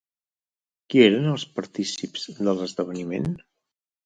Qui eren els partícips de l'esdeveniment?